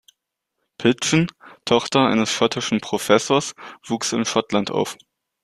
Pidgeon, Tochter eines schottischen Professors, wuchs in Schottland auf.